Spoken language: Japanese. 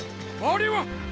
あれは！